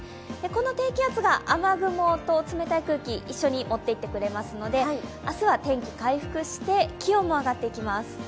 この低気圧が雨雲と冷たい空気、一緒に持っていってくれますので明日は天気、回復して気温も上がってきます。